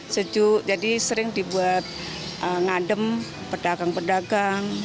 sejuk jadi sering dibuat ngadem pedagang pedagang